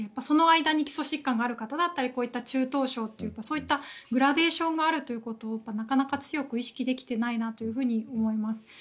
その間に基礎疾患がある方やこういった中等症とかそういうグラデーションがあるということをなかなか強く意識できてないなって思います。